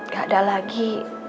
gak ada lagi